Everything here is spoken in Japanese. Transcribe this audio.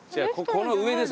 この上です